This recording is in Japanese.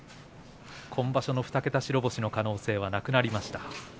今場所の２桁白星の可能性はなくなりました。